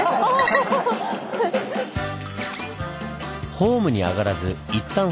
ホームに上がらずいったん外へ。